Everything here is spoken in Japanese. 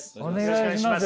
お願いします。